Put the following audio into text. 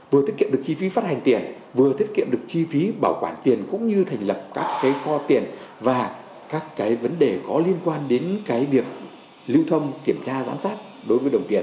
vừa tiết kiệm được chi phí phát hành tiền vừa tiết kiệm được chi phí bảo quản tiền cũng như thành lập các kho tiền và các cái vấn đề có liên quan đến việc lưu thông kiểm tra giám sát đối với đồng tiền